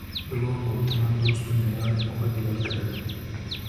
Bi van gotinan dost û neyarên xwe diyar kirine